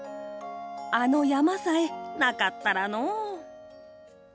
あの山さえなかったらのう。